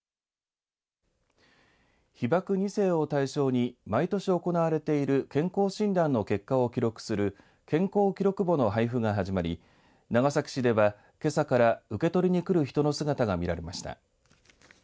被爆２世を対象に毎年行われている健康診断の結果を記録する健康記録簿の配布が始まり長崎市では、けさから受け取りにくる人の姿が見られました。